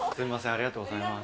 ありがとうございます。